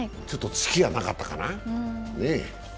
ちょっとツキがなかったかな。